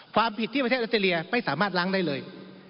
ความผิดที่ประเทศออสเตรเลียไม่สามารถล้างได้เลย